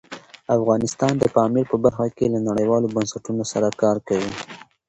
افغانستان د پامیر په برخه کې له نړیوالو بنسټونو سره کار کوي.